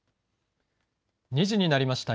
２時になりました。